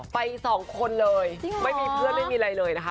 ไปสองคนเลยไม่มีเพื่อนไม่มีอะไรเลยนะคะ